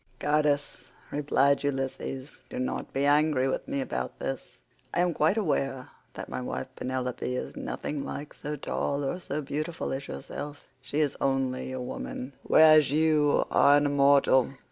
"Goddess," replied Ulysses, "do not be angry with me about this. I am quite aware that my wife Penelope is nothing like so tall or so beautiful as yourself. She is only a woman, whereas you are an immortal.